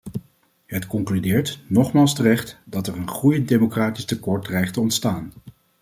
Het concludeert, nogmaals terecht, dat er een groeiend democratisch tekort dreigt te ontstaan.